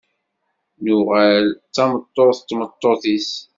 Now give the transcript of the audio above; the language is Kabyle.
Nuɣal d tameṭṭut d tmeṭṭut-is.